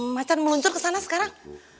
macan meluncur kesana sekarang